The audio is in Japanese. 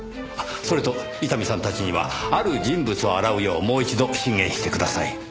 あっそれと伊丹さんたちにはある人物を洗うようもう一度進言してください。